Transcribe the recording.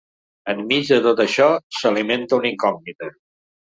Enmig de tot això, s’alimenta una incògnita.